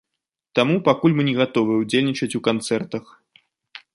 Таму пакуль мы не гатовыя ўдзельнічаць у канцэртах.